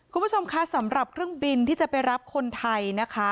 คุณผู้ชมคะสำหรับเครื่องบินที่จะไปรับคนไทยนะคะ